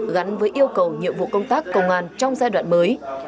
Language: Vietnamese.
gắn với yêu cầu nhiệm vụ công tác công an trong giai đoạn mới